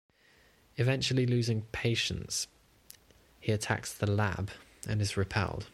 Eventually losing patience, he attacks the Lab and is repelled.